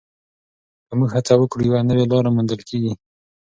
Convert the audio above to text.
که موږ هڅه وکړو، یوه نوې لاره موندل کېږي.